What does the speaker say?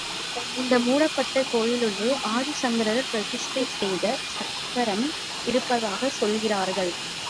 இந்த மூடப்பட்ட கோயில் உள்ளே ஆதிசங்கரர் பிரதிஷ்டை செய்த சக்கரம் இருப்பதாகச் சொல்கிறார்கள்.